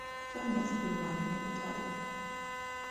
Empuku eno yasimibwa bantu mu lutalo.